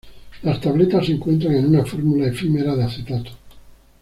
Las tabletas se encuentran en una fórmula efímera de acetato.